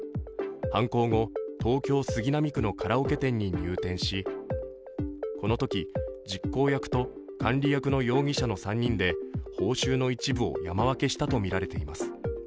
犯行後、東京・杉並区のカラオケ店に入店しこのとき、実行役と管理役の容疑者の３人で報酬の一部を山分けしたとみられています。